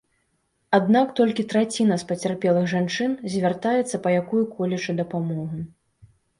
Аднак толькі траціна з пацярпелых жанчын звяртаецца па якую-колечы дапамогу.